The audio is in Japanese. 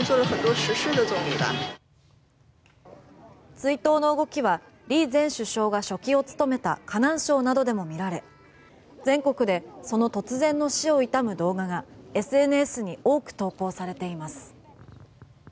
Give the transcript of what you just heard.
追悼の動きは李前首相が書記を務めた河南省などでも見られ全国でその突然の死を悼む動画がＳＮＳに多く投稿されています。